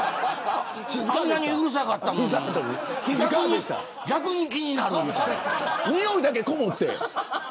あんなに、うるさかったのににおいだけ、こもってね。